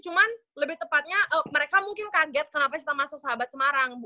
cuman lebih tepatnya mereka mungkin kaget kenapa kita masuk sahabat semarang